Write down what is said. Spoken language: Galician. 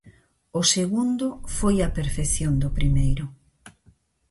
O segundo foi a perfección do primeiro.